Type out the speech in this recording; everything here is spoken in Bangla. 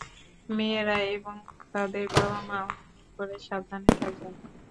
মেয়েরা এবং তাদের বাবা-মা, অনুগ্রহ করে সাবধানে থাকবেন।